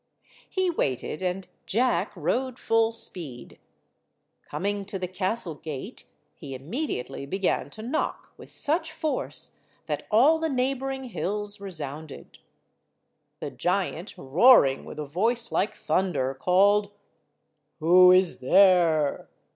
He waited, and Jack rode full speed. Coming to the castle gate, he immediately began to knock with such force that all the neighbouring hills resounded. The giant, roaring with a voice like thunder, called— "Who is there?"